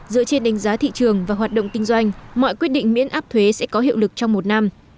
dựa trên đánh giá thị trường và hoạt động kinh doanh mọi quyết định miễn áp thuế sẽ có hiệu lực trong một năm